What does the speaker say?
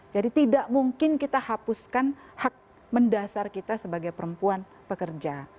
jadi tidak mungkin kita hapuskan hak mendasar kita sebagai perempuan pekerja